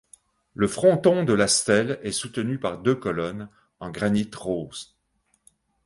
Le fronton de la stèle est soutenu par deux colonnes, en granit rose.